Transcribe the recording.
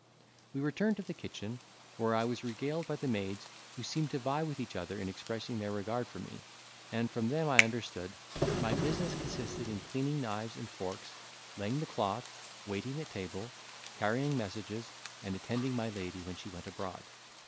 We returned to the kitchen, where I was regaled by the maids, who seemed to vie with each other in expressing their regard for me; and from them I understood, that my business consisted in cleaning knives and forks, laying the cloth, waiting at table, carrying messages, and attending my lady when she went abroad.